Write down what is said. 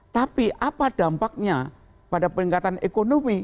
tapi apa dampaknya pada peningkatan ekonomi